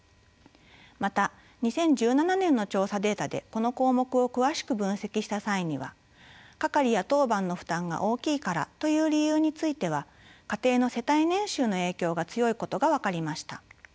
また２０１７年の調査データでこの項目を詳しく分析した際には係や当番の負担が大きいからという理由については家庭の世帯年収の影響が強いことが分かりました。